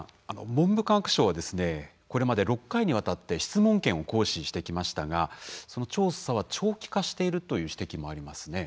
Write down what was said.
文部科学省はこれまで６回にわたって質問権を行使してきましたがその調査は長期化しているという指摘もありますね。